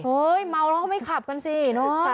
เมาแล้วก็ไม่ขับกันสิเนอะ